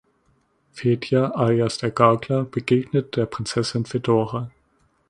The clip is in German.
Fedja alias der Gaukler begegnet der Prinzessin Fedora.